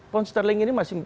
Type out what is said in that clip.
pounds sterling ini masih